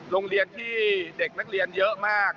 โรงเรียนที่เด็กนักเรียนเยอะมาก